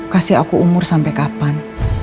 kasih aku umur sampai kapan